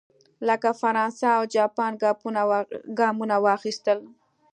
لکه فرانسه او جاپان ګامونه واخیستل.